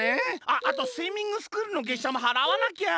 あっあとスイミングスクールのげっしゃもはらわなきゃ！